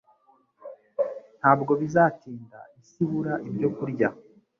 Ntabwo bizatinda isi ibura ibyo kurya